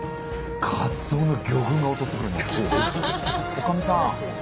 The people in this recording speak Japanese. おかみさん！